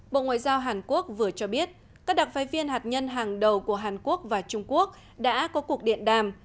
bộ ngoại giao hàn quốc vừa cho biết các đặc phái viên hạt nhân hàng đầu của hàn quốc và trung quốc đã có cuộc điện đàm